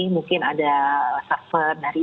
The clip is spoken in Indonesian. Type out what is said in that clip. mungkin ada server dari